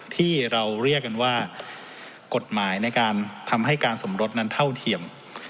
ที่เราเรียกกันว่ากฎหมายในการทำให้การสมรสนั้นเท่าเทียม